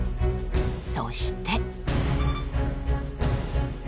そして。